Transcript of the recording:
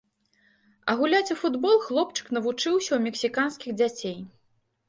А гуляць у футбол хлопчык навучыўся ў мексіканскіх дзяцей.